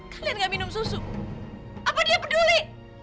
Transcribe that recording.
kalian gak minum susu apa dia peduli